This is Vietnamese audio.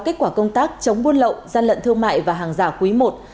kết quả công tác chống buôn lậu gian lận thương mại và hàng giả quý i